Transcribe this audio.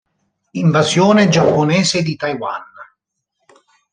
Invasione giapponese di Taiwan